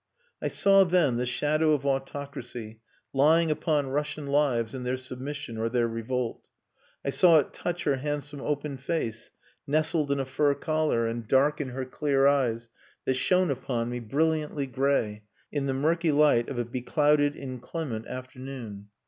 I saw then the shadow of autocracy lying upon Russian lives in their submission or their revolt. I saw it touch her handsome open face nestled in a fur collar and darken her clear eyes that shone upon me brilliantly grey in the murky light of a beclouded, inclement afternoon.